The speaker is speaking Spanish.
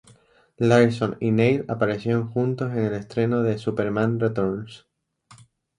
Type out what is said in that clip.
Larson y Neill aparecieron juntos en el estreno de "Superman Returns".